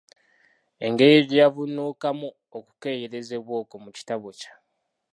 Engeri gye yavvuunukamu okukeeyerezebwa okwo mu kitabo kye.